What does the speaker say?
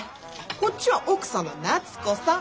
こっちは奥さんの夏子さん。